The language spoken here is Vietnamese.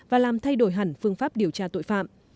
và làm thay đổi hẳn phương pháp điều tra tội phạm